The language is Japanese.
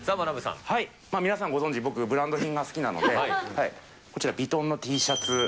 皆さんご存じ、僕、ブランド品が好きなので、こちら、ヴィトンのＴシャツ。